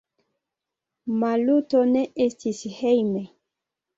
Maluto ne estis hejme.